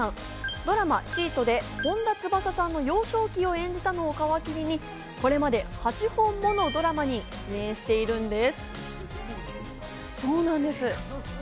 ドラマ『ＣＨＥＡＴ』で本田翼さんの幼少期を演じたのを皮切りにこれまで８本ものドラマに出演しているんです。